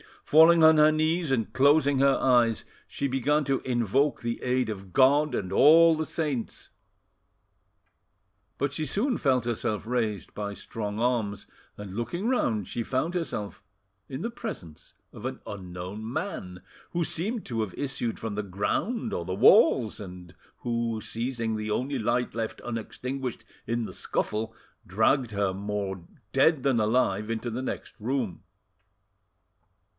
Falling on her knees and closing her eyes, she began to invoke the aid of God and all the saints. But she soon felt herself raised by strong arms, and looking round, she found herself in the presence of an unknown man, who seemed to have issued from the ground or the walls, and who, seizing the only light left unextinguished in the scuffle, dragged her more dead than alive into the next room.